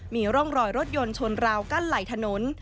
มีร่องรอยรถยนต์ชนราวกั้นไหล่ถนน